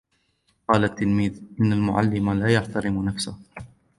قال التلميذ: إن المعلم لا يحترم نفسه